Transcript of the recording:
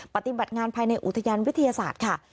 ปฏิบัติงานภายในอุทยานวิทยาศาสตร์ค่ะ